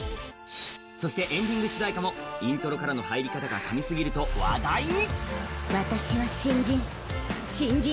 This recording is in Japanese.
そしてエンディング主題歌もイントロからの入り方が神すぎると話題に。